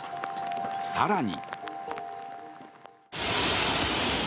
更に。